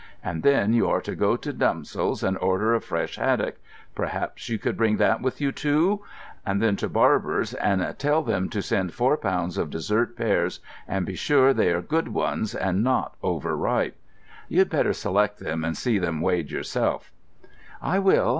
And then you are to go to Dumsole's and order a fresh haddock—perhaps you could bring that with you, too—and then to Barber's and tell them to send four pounds of dessert pears, and be sure they are good ones and not over ripe. You had better select them and see them weighed yourself." "I will.